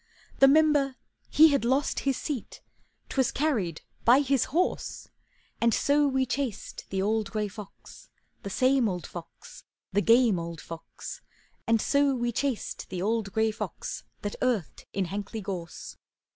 The Member he had lost his seat, 'Twas carried by his horse; And so we chased the old gray fox, The same old fox, The game old fox; And so we chased the old gray fox That earthed in Hankley Gorse.